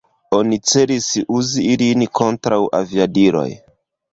Oni celis uzi ilin kontraŭ aviadiloj.